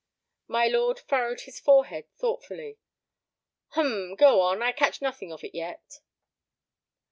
My lord furrowed his forehead thoughtfully. "Hum! go on. I catch nothing of it yet."